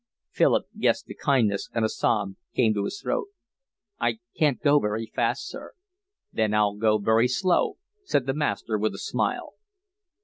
Philip guessed the kindness, and a sob came to his throat. "I can't go very fast, sir." "Then I'll go very slow," said the master, with a smile.